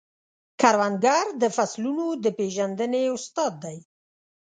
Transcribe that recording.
کروندګر د فصلونو د پیژندنې استاد دی